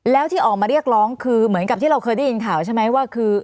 แล้วที่ออกมาเรียกร้องคือเหมือนกับที่เราเคยได้ยินข่าวใช่ไหมว่าคือ